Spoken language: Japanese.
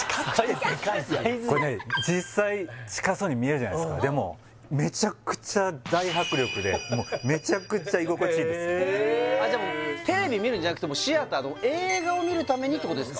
これね実際近そうに見えるじゃないですかでもめちゃくちゃへえじゃもうテレビ見るんじゃなくてもうシアターの映画を見るためにってことですか？